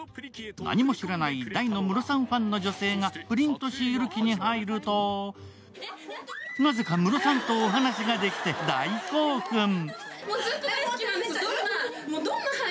何も知らない大のムロさんファンの女性がプリントシール機に入ると、なぜかムロさんとお話ができて、大興奮。